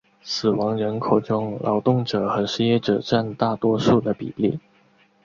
死亡人口中劳动者和失业者占大多数的比例。